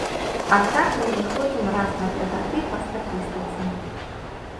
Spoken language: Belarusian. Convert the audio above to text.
А так мы выходзім раз на тры гады па статыстыцы.